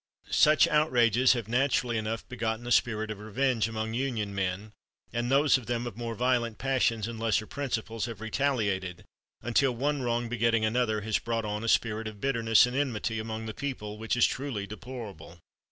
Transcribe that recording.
"Such outrages have naturally enough begotten a spirit of revenge among Union men, and those of them of more violent passions and lesser principles have retaliated, until one wrong begetting another has brought on a spirit of bitterness and enmity among the people which is truly deplorable.